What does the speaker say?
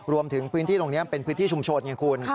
รวมถึงพื้นที่ตรงนี้เป็นพื้นที่ชุมชนไงคุณ